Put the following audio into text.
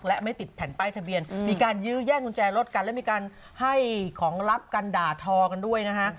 และไม่ติดแผ่นป้ายทะเบียนมีการยื้อแย่งกุญแจรถกันและมีการให้ของลับกันด่าทอกันด้วยนะฮะ